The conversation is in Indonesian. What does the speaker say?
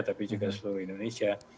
tapi juga seluruh indonesia